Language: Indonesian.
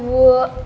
ini udah di sini